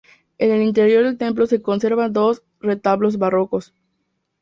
En el interior del templo se conservan dos retablos barrocos.